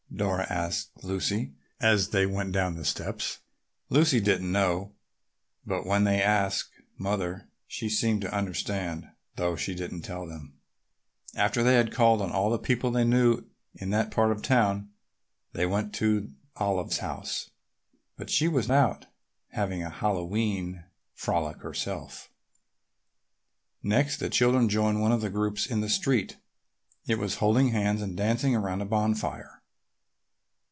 Dora asked Lucy as they went down the steps. Lucy didn't know, but when they asked Mother, she seemed to understand, though she didn't tell them. [Illustration: "GHOSTS, MAMMA! COME AND SAVE ME!"—Page 173.] After they had called on all the people they knew in that part of town they went to Olive's house, but she was out, having a Hallowe'en frolic herself. Next, the children joined one of the groups in the street. It was holding hands and dancing around a bonfire.